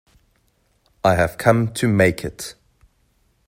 I have come to make it.